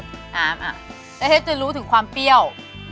ครับจะให้เจ้ารู้ถึงความเปรี้ยว